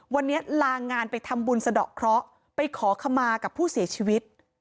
วันนี้ลางานไปทำบุญสะดอกเคราะห์ไปขอขมากับผู้เสียชีวิต